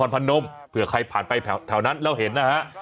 เพื่อใครผ่านไปแถวนั้นเราเห็นนะฮะ